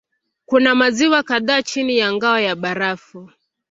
Kuna maziwa kadhaa chini ya ngao ya barafu.